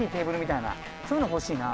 そういうの欲しいな。